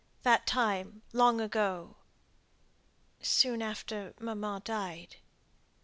That time long ago soon after mamma died?"